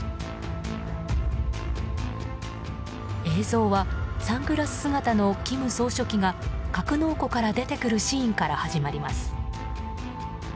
映像はサングラス姿の金総書記が格納庫から出てくるシーンから始まります。